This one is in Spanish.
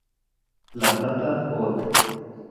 La Plata, Bot.